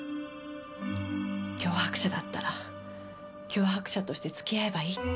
脅迫者だったら脅迫者として付き合えばいいって。